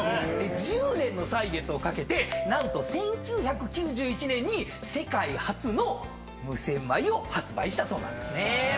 １０年の歳月をかけて何と１９９１年に世界初の無洗米を発売したそうなんですね。